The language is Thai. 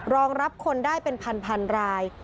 รองรับคนได้เป็นพันราย